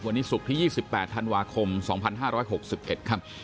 วันนี้ศุกร์ที่๒๘ธันวาคม๒๕๖๑ครับ